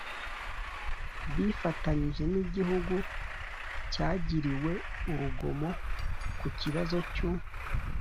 bifatanyije n'igihugu cyagiriwe urugomo. ku kibazo cy'u